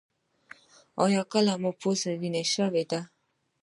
ایا کله مو پوزه وینې شوې ده؟